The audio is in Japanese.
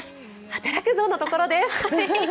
働くぞのところです。